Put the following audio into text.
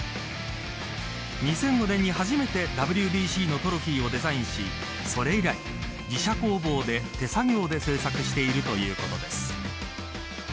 ２００５年に初めてＷＢＣのトロフィーをデザインしそれ以来、自社工房で手作業で製作しているということです。